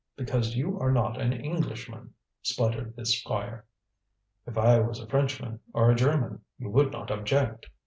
"Because you are not an Englishman," spluttered the Squire. "If I was a Frenchman, or a German, you would not object!"